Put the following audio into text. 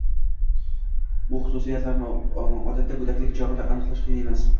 Bu xususiyatlarni odatda go‘daklik chog‘ida aniqlash qiyin emas.